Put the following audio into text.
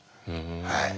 はい。